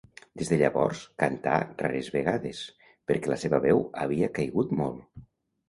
Des de llavors cantà rares vegades, perquè la seva veu havia caigut molt.